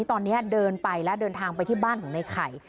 ตอนนี้เดินไปแล้วเดินทางไปที่บ้านของในไข่